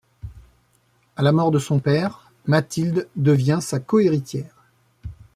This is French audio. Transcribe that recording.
À la mort de son père, Mathilde devient sa cohéritière.